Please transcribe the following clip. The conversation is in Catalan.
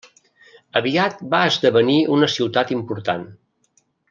Aviat va esdevenir una ciutat important.